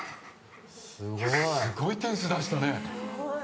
すごい点数出したね。